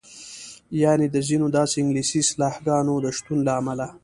یعنې د ځینو داسې انګلیسي اصطلاحګانو د شتون له امله.